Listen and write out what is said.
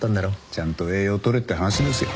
ちゃんと栄養取れって話ですよ。